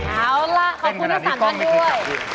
เอาล่ะขอบคุณที่สั่งกันด้วย